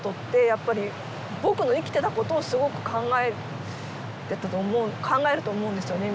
やっぱり「ぼく」の生きてたことをすごく考えると思うんですよね